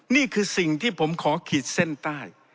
นี่คือสิ่งที่ผมขอขีดเส้นใต้